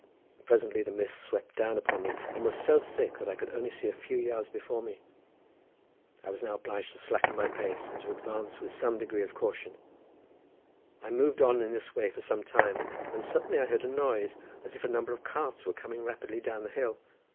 Presently the mist swept down upon me, and was so thick that I could only see a few yards before me. I was now obliged to slacken my pace, and to advance with some degree of caution. I moved on in this way for some time, when suddenly I heard a noise, as if a number of carts were coming rapidly down the hill.